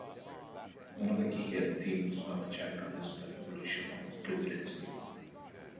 One of the key themes of the chapter is the evolution of the presidency.